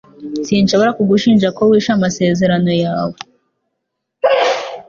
Sinshobora kugushinja ko wishe amasezerano yawe